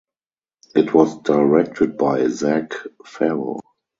It was directed by Zac Farro.